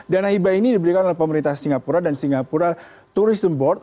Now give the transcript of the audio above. dana hibah ini diberikan oleh pemerintah singapura dan singapura tourism board